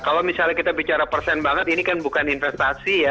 kalau misalnya kita bicara persen banget ini kan bukan investasi ya